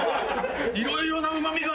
「いろいろなうまみが」